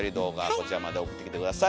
こちらまで送ってきて下さい。